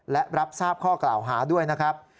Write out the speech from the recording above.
และรับทราบข้อกล่าวหาด้วยนะครับ